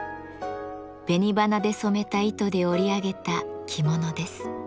紅花で染めた糸で織り上げた着物です。